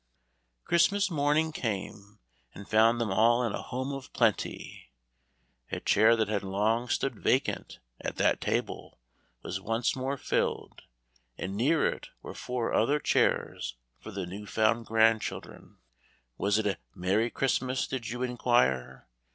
Christmas morning came and found them all in a home of plenty. A chair that had long stood vacant at that table, was once more filled, and near it were four other chairs for the new found grand children. Was it a "Merry Christmas," did you inquire?